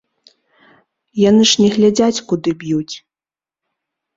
Яны ж не глядзяць, куды б'юць.